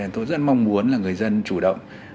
tôi rất mong muốn là người dân chủ động